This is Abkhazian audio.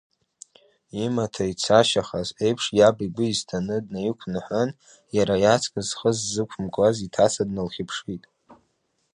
Имаҭа ицашьахаз еиԥш иаб игәы изҭаны днаиқәныҳәан, иара иаҵкыс зхы ззықәымкуаз иҭаца дналхьыԥшит.